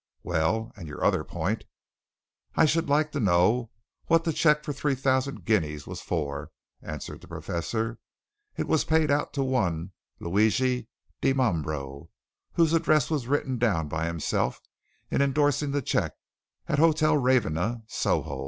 Well, and your other point?" "I should like to know what the cheque for three thousand guineas was for," answered the Professor. "It was paid out to one Luigi Dimambro, whose address was written down by himself in endorsing the cheque as Hotel Ravenna, Soho.